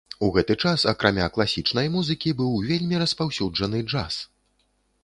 У гэты час акрамя класічнай музыкі быў вельмі распаўсюджаны джаз.